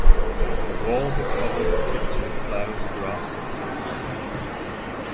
The walls are covered with pictures of flowers, gras and sunpatterns.